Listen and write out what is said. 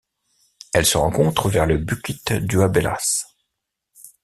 Elle se rencontre vers le Bukit Duabelas.